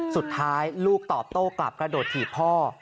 สุดท้ายลูกตอบโต้กลับกระโดดถีบพ่อ